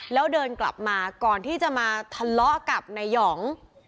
แล้วเดินกลับมาก่อนที่จะมาทะเลาะกับนายหอง